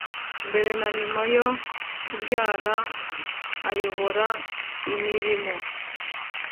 mbere na nyuma yo kubyara Ayobora imirimo